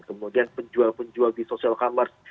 kemudian penjual penjual di social commerce